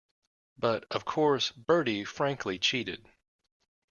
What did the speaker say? But, of course, Bertie frankly cheated.